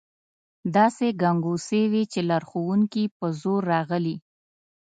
داسې ګنګوسې وې چې لارښوونکي په زور راغلي.